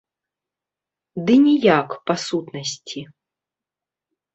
Ды ніяк, па сутнасці.